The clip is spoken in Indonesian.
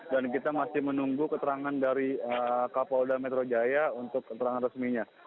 dan kita masih menunggu keterangan dari kapolda metro jaya untuk keterangan resminya